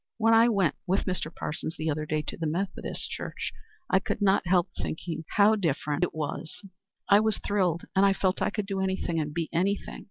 When I went with Mr. Parsons the other day to the Methodist church, I could not help thinking how different it was. I was thrilled and I felt I could do anything and be anything.